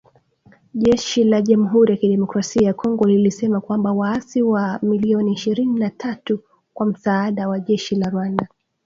jeshi la Jamuhuri ya Demokrasia ya Kongo lilisema kwamba waasi wa M ishirini na tatu kwa msaada wa jeshi la Rwanda